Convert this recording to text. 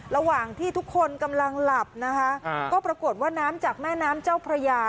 ระหว่างที่ทุกคนกำลังหลับนะคะก็ปรากฏว่าน้ำจากแม่น้ำเจ้าพระยา